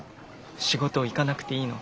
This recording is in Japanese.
仕事行かなくていいの？